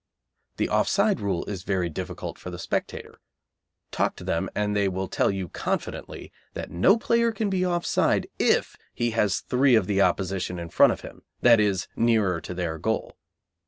The offside rule is very difficult for the spectator; talk to them, and they will tell you confidently that no player can be offside if he has three of the opposition in front of him, that is, nearer to their own goal.